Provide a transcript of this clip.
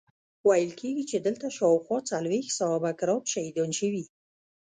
ویل کیږي چې دلته شاوخوا څلویښت صحابه کرام شهیدان شوي.